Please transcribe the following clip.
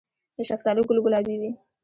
د شفتالو ګل ګلابي وي؟